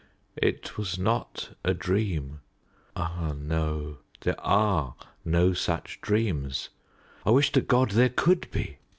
It was not a dream. Ah, no there are no such dreams. I wish to God there could be.